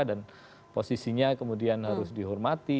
dan posisinya kemudian harus dihormati